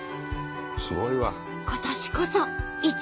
すごいわ。